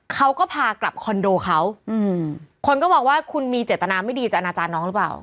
เขาก็พากลับคอนโดเขาอืมคนก็มองว่าคุณมีเจตนาไม่ดีจะอนาจารย์น้องหรือเปล่า